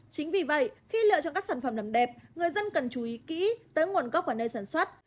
chính vì vậy khi lựa chọn các sản phẩm làm đẹp người dân cần chú ý kỹ tới nguồn gốc ở nơi sản xuất